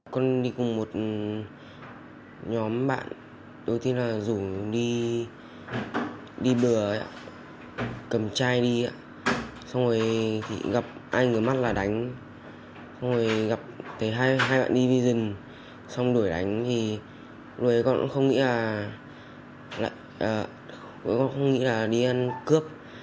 xong đuổi đánh thì đuổi con cũng không nghĩ là đi ăn cướp